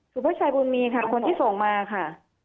ชื่อผู้ชายบุญมีค่ะคนที่ส่งมาค่ะ